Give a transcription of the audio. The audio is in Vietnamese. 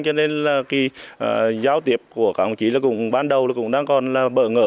cho nên là khi giao tiếp của các anh chỉ là cũng ban đầu là cũng đang còn bỡ ngỡ